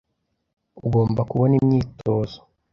Ugomba kubona imyitozo.